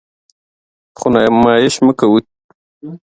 خو نمایش مه کوئ.